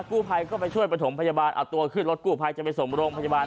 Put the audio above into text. กู้ภัยก็ไปช่วยประถมพยาบาลเอาตัวขึ้นรถกู้ภัยจะไปส่งโรงพยาบาล